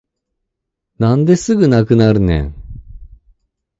なんですぐなくなるねん